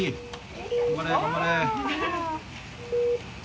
頑張れ頑張れ。